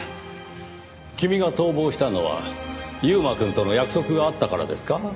君が逃亡したのは優馬くんとの約束があったからですか？